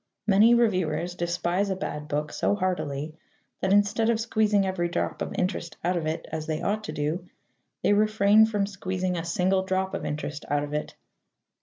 Many reviewers despise a bad book so heartily that, instead of squeezing every drop of interest out of it, as they ought to do, they refrain from squeezing a single drop of interest out of it.